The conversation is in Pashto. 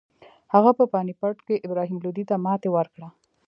هغه په پاني پت کې ابراهیم لودي ته ماتې ورکړه.